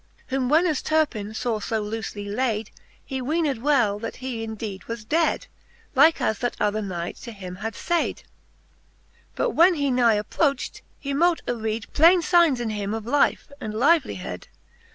XX. Whom when as T'urpin faw fo loofely layd. He weened well, that he in deed was dead. Like as that other Knight to him had fayd : But when he nigh approcht, he mote aread Plaine fignes in him of life and livelihead.